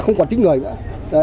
không còn tính người nữa